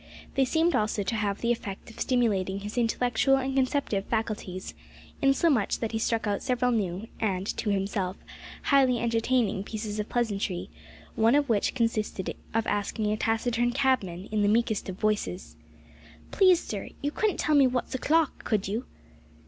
They seemed also to have the effect of stimulating his intellectual and conceptive faculties, insomuch that he struck out several new, and, to himself, highly entertaining pieces of pleasantry, one of which consisted of asking a taciturn cabman, in the meekest of voices: "Please, sir, you couldn't tell me wot's o'clock, could you?"